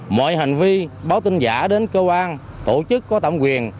mọi hành vi báo tin giả đến cơ quan tổ chức có tạm quyền